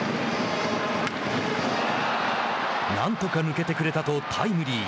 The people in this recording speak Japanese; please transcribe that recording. なんとか抜けてくれたとタイムリー。